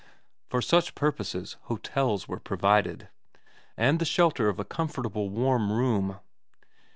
For such purposes hotels nv VERA 155 were provided, and the shelter of a comfortable warm room.